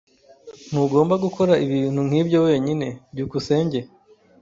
Ntugomba gukora ibintu nkibyo wenyine. byukusenge